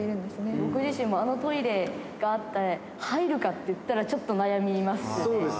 僕自身もあのトイレがあって、入るか？っていったら、ちょっと悩みますよね。